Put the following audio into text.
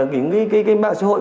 các trang mạng xã hội